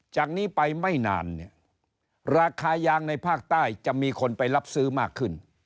จากนี้ไปไม่นานเนี่ยราคายางในภาคใต้จะมีคนไปรับซื้อมากขึ้น